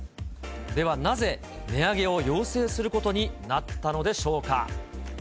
ではなぜ、値上げを要請することになったのでしょうか。